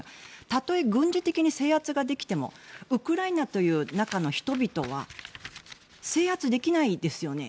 たとえ、軍事的に制圧ができてもウクライナという中の人々は制圧できないですよね。